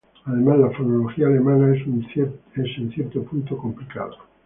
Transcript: Además la fonología alemana es en cierto punto complicada.